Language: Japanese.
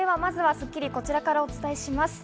『スッキリ』、こちらからお伝えします。